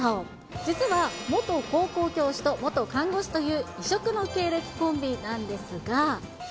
実は元高校教師と元看護師という異色の経歴コンビなんですが。